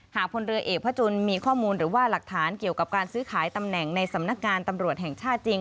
พลเรือเอกพระจุลมีข้อมูลหรือว่าหลักฐานเกี่ยวกับการซื้อขายตำแหน่งในสำนักงานตำรวจแห่งชาติจริง